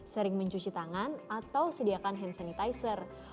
sering mencuci tangan atau sediakan hand sanitizer